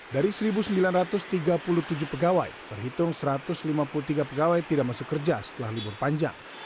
dari satu sembilan ratus tiga puluh tujuh pegawai terhitung satu ratus lima puluh tiga pegawai tidak masuk kerja setelah libur panjang